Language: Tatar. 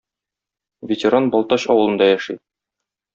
Ветеран Балтач авылында яши.